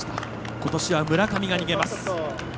ことしは、村上が逃げます。